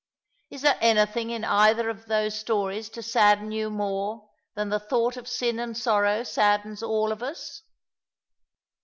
"Is there anything in either of those stories to sadden you more than the thought of sin and sorrow saddens all of us?"